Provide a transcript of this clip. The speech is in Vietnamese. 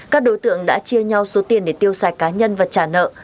các đối tượng đã chia nhau số tiền để tiêu xài cá nhân và trả nợ